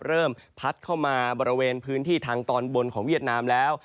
พัดเข้ามาบริเวณพื้นที่ทางตอนบนของเวียดนามแล้ว